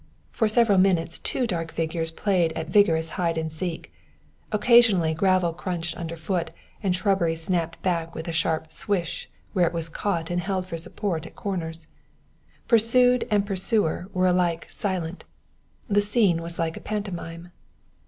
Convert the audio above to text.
For several minutes two dark figures played at vigorous hide and seek. Occasionally gravel crunched underfoot and shrubbery snapped back with a sharp swish where it was caught and held for support at corners. Pursued and pursuer were alike silent; the scene was like a pantomime.